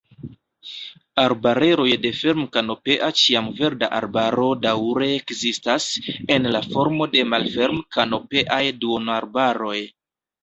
Arbareroj de ferm-kanopea ĉiamverda arbaro daŭre ekzistas, en la formo de malferm-kanopeaj duonarbaroj.